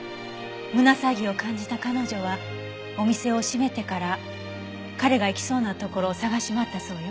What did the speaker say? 胸騒ぎを感じた彼女はお店を閉めてから彼が行きそうな所を捜し回ったそうよ。